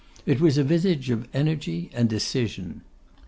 It was a visage of energy and decision.